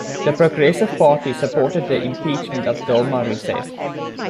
The Progressive Party supported the Impeachment of Dilma Rousseff.